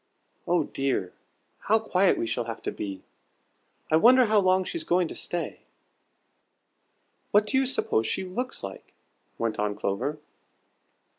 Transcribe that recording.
Oh dear, how quiet we shall have to be! I wonder how long she's going to stay?" "What do you suppose she looks like?" went on Clover.